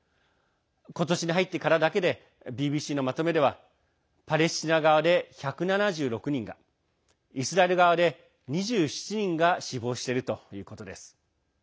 今年に入ってからだけでＢＢＣのまとめではパレスチナ側で１７６人がイスラエル側で２７人が死亡しているということです。